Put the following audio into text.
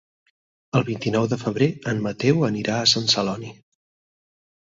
El vint-i-nou de febrer en Mateu anirà a Sant Celoni.